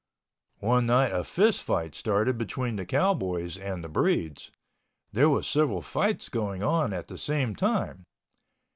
One night a fist fight started between the cowboys and the breeds. There was several fights going on at the same time.